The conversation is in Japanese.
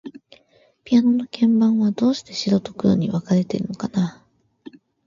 ピアノの鍵盤は、どうして白と黒に分かれているのかな。